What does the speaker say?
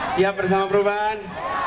siap bersama perubahan